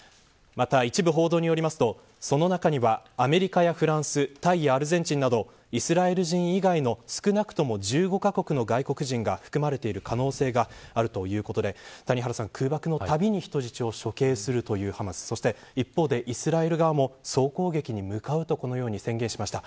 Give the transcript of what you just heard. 一部報道によりますとその中にはアメリカやフランスタイやアルゼンチンなどイスラエル人以外の少なくとも１５カ国の外国人が含まれている可能性があるということで空爆のたびに人質を処刑するというハマスと一方でイスラエル側も総攻撃に向かうと宣言しました。